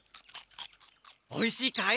おいしいかい？